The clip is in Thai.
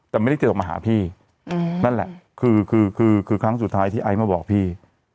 แต่ไม่ได้ติดต่อมาหาพี่อืมนั่นแหละคือคือคือคือคือครั้งสุดท้ายที่ไอ้มาบอกพี่